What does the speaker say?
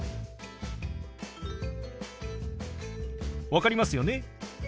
分かりますよね？